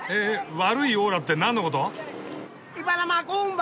悪いオーラって何のこと？